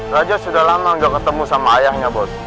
raja sudah lama gak ketemu sama ayahnya bos